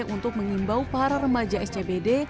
untuk mengimbau para remaja scbd